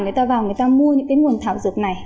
người ta vào người ta mua những cái nguồn thảo dược này